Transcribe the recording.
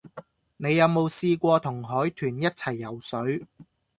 你有冇試過同海豚一齊游水